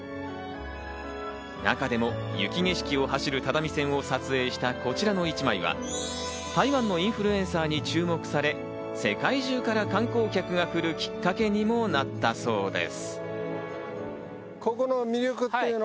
中でも雪景色を走る只見線を撮影したこちらの一枚は、台湾のインフルエンサーに注目され、世界中から観光客が来るきっかけにもなったそうです。